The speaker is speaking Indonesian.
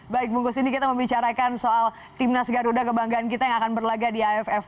baik bungkus naini kita membicarakan soal tim nas garuda kebanggaan kita yang akan berlaga di aff